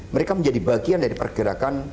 mereka menjadi bagian dari pergerakan